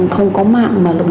không có mạng